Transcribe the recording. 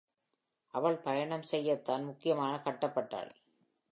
அவள் பயணம் செய்ய தான் முக்கியமாக கட்டப்பட்டாள்.